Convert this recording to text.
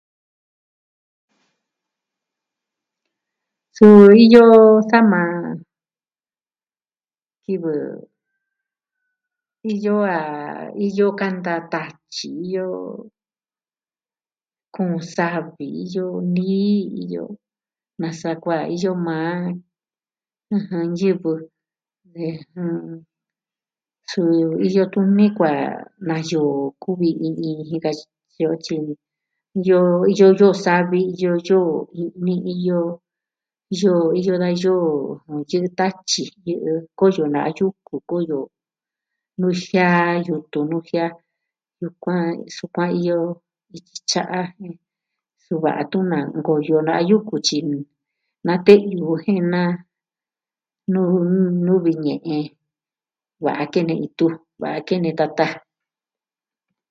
Suu iyo sama kivɨ iyo a... iyo kanta tatyi, iyo... kuun savi, iyo nii, iyo nasa kuaa, iyo maa yɨvɨ, Suu iyo tuni kuaa na yoo, kuvi iin iin jin katyi o tyi. Iyo yoo savi, iyo yoo i'ni, iyo, yoo, iyo da yoo. nuu yɨ'ɨ tatyi yɨ'ɨ, koyo na'a yuku. Koyo nujiaa, yutun nujiaa. Yukuan, sukuan iyo, tya'a su va'a tun nakoyo na yuku tyi. Na te'yu ju nuu jen nuvi ji ñe'e. Va'a kene itu, va'a kene tata.